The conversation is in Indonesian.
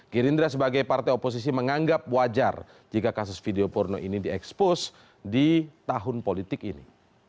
gerindra sebagai partai oposisi menganggap wajar jika kasus video porno ini diekspos di tahun politik ini